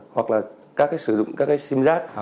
hoặc là các sử dụng sim rác